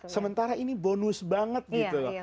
sementara ini bonus banget gitu loh